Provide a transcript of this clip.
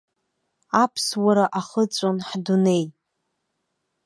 Аԥсуара ахыҵәон ҳдунеи.